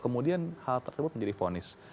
kemudian hal tersebut menjadi fonis